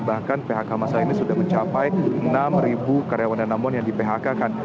bahkan phk masal ini sudah mencapai enam karyawan danamon yang di phk kan